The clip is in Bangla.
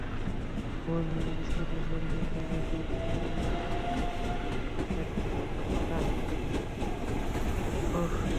আমার নিউইয়র্ক স্কুল অফ মেডিসিন থেকে ডিপিটি করা আছে আর আমি একজন চিরোপ্রক্টর।